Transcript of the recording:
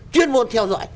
chuyên môn theo dõi